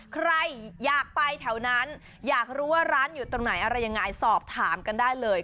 ใครอยากไปแถวนั้นอยากรู้ว่าร้านอยู่ตรงไหนอะไรยังไงสอบถามกันได้เลย